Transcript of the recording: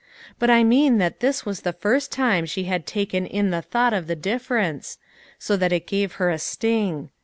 But I mean that this was the first time she had taken in the thought of the difference, so that it gave her a sting.